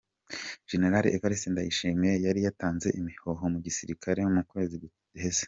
Gen Evariste Ndayishimiye yari yatanze imihoho mu gisirikare mu kwezi guheze.